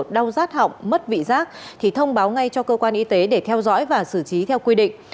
đau rát họng mất vị giác thì thông báo ngay cho cơ quan y tế để theo dõi và xử trí theo quy định